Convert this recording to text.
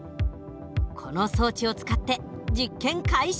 この装置を使って実験開始！